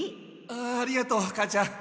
あありがとう母ちゃん。